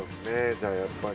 じゃあやっぱり。